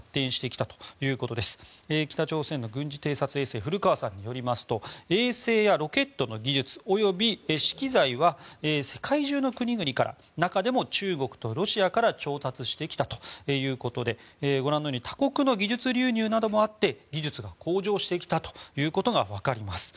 衛星古川さんによりますと衛星やロケットの技術及び資機材は世界中の国々から中でも、中国とロシアから調達してきたということで他国の技術流入などもあって技術が向上してきたということが分かります。